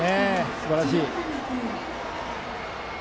すばらしい。